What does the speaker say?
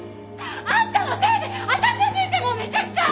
あんたのせいで私の人生もうめちゃくちゃ！